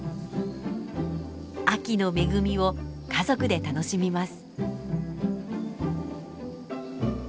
秋の恵みを家族で楽しみます。